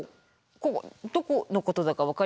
どこのことだか分かります？